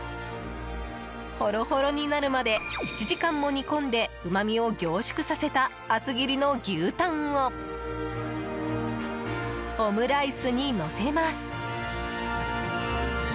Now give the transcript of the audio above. ほろほろになるまで７時間も煮込んでうまみを凝縮させた厚切りの牛タンをオムライスにのせます。